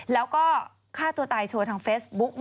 แล้วก็ฆ่าตัวตายโชว์ทางเฟซบุ๊ก